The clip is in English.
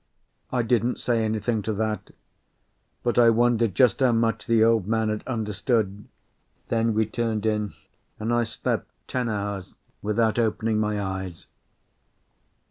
I didn't say anything to that, but I wondered just how much the Old Man had understood. Then we turned in, and I slept ten hours without opening my eyes.